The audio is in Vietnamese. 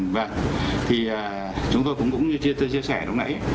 vâng thì chúng tôi cũng như tôi chia sẻ lúc nãy